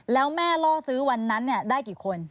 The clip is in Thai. แล้วแม่ล่อซื้อวันนั้นได้กี่คน